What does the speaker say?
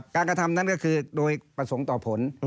กระทำนั้นก็คือโดยประสงค์ต่อผล